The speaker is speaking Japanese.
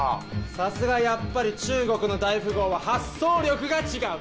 さすがやっぱり中国の大富豪は発想力が違う！